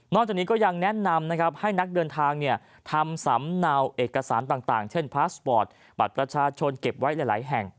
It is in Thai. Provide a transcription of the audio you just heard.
จากนี้ก็ยังแนะนำนะครับให้นักเดินทางทำสำเนาเอกสารต่างเช่นพาสปอร์ตบัตรประชาชนเก็บไว้หลายแห่ง